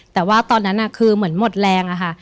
แต่ว่าตอนนั้นคือเหมือนหมดแรงอะค่ะ